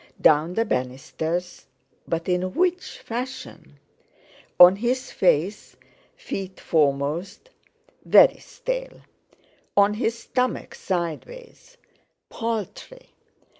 Down the banisters? But in which fashion? On his face, feet foremost? Very stale. On his stomach, sideways? Paltry!